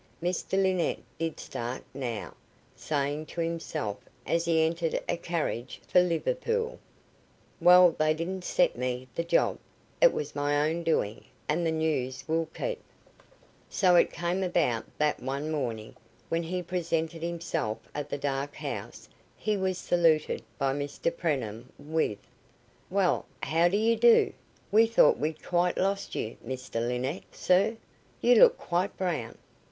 Mr Linnett did start now, saying to himself as he entered a carriage for Liverpool: "Well, they didn't set me the job. It was my own doing, and the news will keep." So it came about that one morning, when he presented himself at the Dark House, he was saluted by Mr Preenham with: "Why, how do you do? We thought we'd quite lost you, Mr Linnett, sir. You look quite brown."